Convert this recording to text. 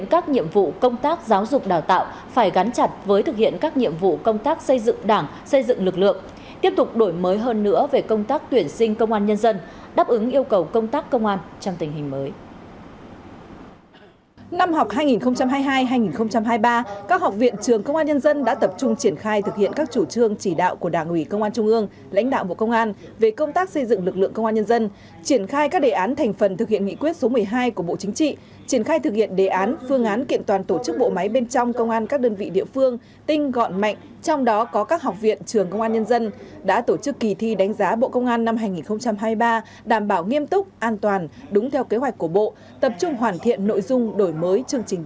các học viện trường công an nhân dân đã tập trung triển khai thực hiện các chủ trương chỉ đạo của đảng ủy công an trung ương lãnh đạo bộ công an về công tác xây dựng lực lượng công an nhân dân triển khai các đề án thành phần thực hiện nghị quyết số một mươi hai của bộ chính trị triển khai thực hiện đề án phương án kiện toàn tổ chức bộ máy bên trong công an các đơn vị địa phương tinh gọn mạnh trong đó có các học viện trường công an nhân dân đã tổ chức kỳ thi đánh giá bộ công an năm hai nghìn hai mươi ba đảm bảo nghiêm túc an toàn đúng theo kế hoạch của bộ tập trung hoàn thi